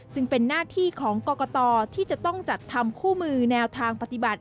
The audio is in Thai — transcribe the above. จึงเป็นหน้าที่ของกรกตที่จะต้องจัดทำคู่มือแนวทางปฏิบัติ